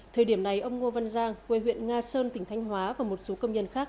thời điểm này ông ngô văn giang quê huyện nga sơn tỉnh thanh hóa và một số công nhân khác